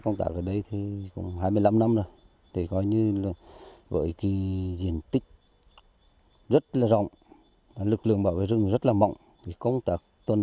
hai mươi năm năm rồi để coi như với diện tích rất là rộng lực lượng bảo vệ rừng rất là mộng công tác tuần